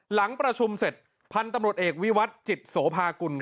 หลังประชุมเสร็จพันธุ์ตำรวจเอกวิวัตรจิตโสภากุล